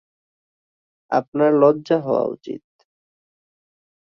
আপনার লজ্জা হওয়া উচিৎ।